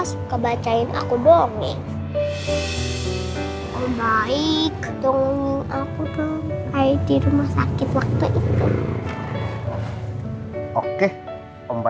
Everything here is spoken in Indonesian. si buruk rupa